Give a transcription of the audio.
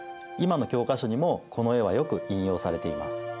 今の教科書にもこの絵はよく引用されています。